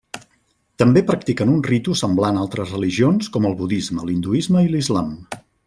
També practiquen un ritu semblant altres religions com el budisme, l'hinduisme i l'islam.